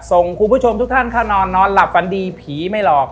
ส่งคุณผู้ชมทุกท่านเข้านอนนอนหลับฝันดีผีไม่หลอก